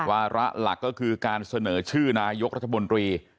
วาระหลักก็คือการเสนอชื่อนายกรัฐมนตรี